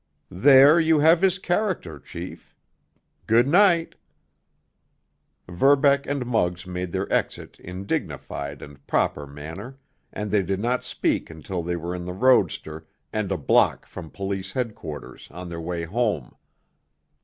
"There you have his character, chief. Good night!" Verbeck and Muggs made their exit in dignified and proper manner, and they did not speak until they were in the roadster and a block from police headquarters, on their way home.